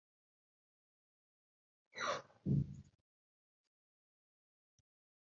إنما يأمركم بالسوء والفحشاء وأن تقولوا على الله ما لا تعلمون